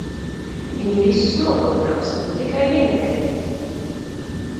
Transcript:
Viņi visus nogalinās, un tikai viņa dēļ!